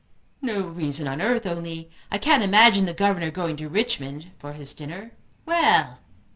"No reason on earth, only I can't imagine the governor going to Richmond for his dinner. Well!